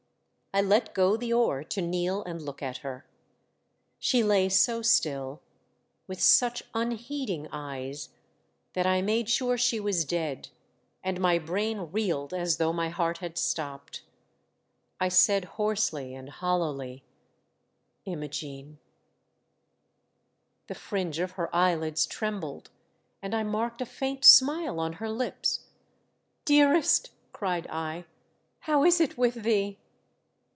I let go the oar to kneel and look at her. She lay so still, with such unheeding eyes, that I made sure she was dead, and my brain reeled as though my heart had stopped. I said hoarsely and hollowly, " Imogene." The fringe of her eyelids trembled, and 1 marked a faint smile on her lips. " Dearest," cried I, "how is it with thee.'